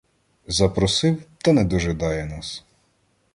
— Запросив, та не дожидає нас.